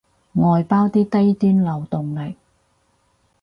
外包啲低端勞動力